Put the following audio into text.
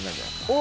お。